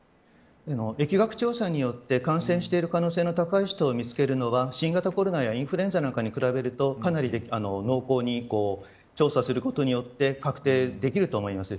疫学調査によって感染している可能性の高い人を見つけるのは新型コロナやインフルエンザなんかに比べるとかなり濃厚に調査することによって確定できると思います。